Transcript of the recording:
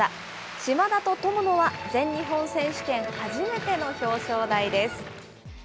島田と友野は、全日本選手権初めての表彰台です。